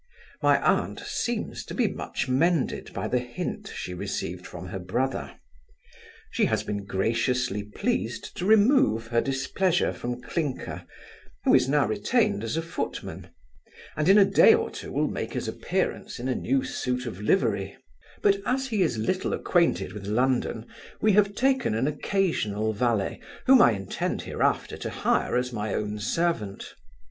My aunt seems to be much mended by the hint she received from her brother. She has been graciously pleased to remove her displeasure from Clinker, who is now retained as a footman; and in a day or two will make his appearance in a new suit of livery; but as he is little acquainted with London, we have taken an occasional valet, whom I intend hereafter to hire as my own servant.